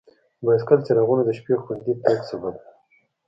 د بایسکل څراغونه د شپې خوندي تګ سبب دي.